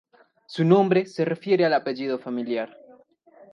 Su nombre se refiere al apellido familiar.